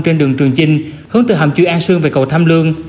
trên đường trường chinh hướng từ hầm chui an sương về cầu tham lương